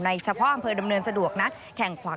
ในเฉพาะอำเภอดำเนินสะดวกนะ